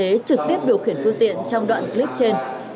cổng vệ xế trực tiếp điều khiển phương tiện trong đoạn clip trên